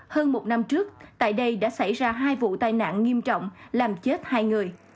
hơn một năm trước tại đây đã xảy ra hai vụ tai nạn nghiêm trọng làm chết hai người